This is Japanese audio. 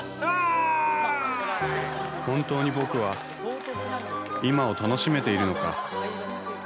本当に僕は今を楽しめているのか